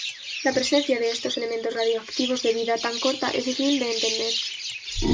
La presencia de estos elementos radiactivos de vida tan corta es difícil de entender.